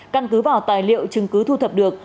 căn cứ vào tài liệu chứng cứ thu thập được